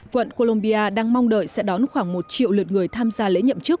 quận colombia đang mong đợi sẽ đón khoảng một triệu lượt người tham gia lễ nhậm chức